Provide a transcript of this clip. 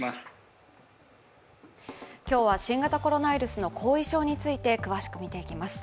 今日は新型コロナウイルスの後遺症について詳しく見ていきます。